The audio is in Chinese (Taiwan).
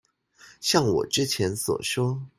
像我之前所說